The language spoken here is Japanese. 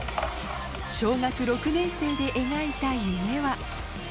小学６年生で描いた夢は。